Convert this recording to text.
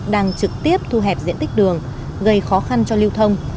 đang trực tiếp thu hẹp diện tích đường gây khó khăn cho lưu thông